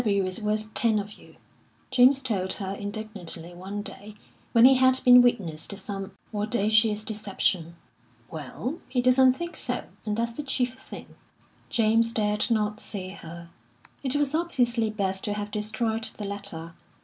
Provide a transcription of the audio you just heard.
"P. W. is worth ten of you," James told her indignantly one day, when he had been witness to some audacious deception. "Well, he doesn't think so. And that's the chief thing." James dared not see her. It was obviously best to have destroyed the letter.